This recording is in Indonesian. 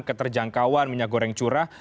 keterjangkauan minyak goreng curah